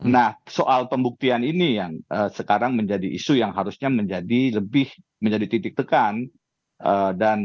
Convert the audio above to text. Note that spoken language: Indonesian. nah soal pembuktian ini yang sekarang menjadi isu yang harusnya menjadi lebih menjadi titik tekan